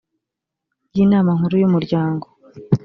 by inama nkuru y umuryango